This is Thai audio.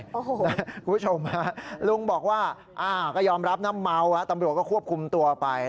คุณผู้ชมฮะลุงบอกว่าก็ยอมรับนะเมาแล้วตำรวจก็ควบคุมตัวไป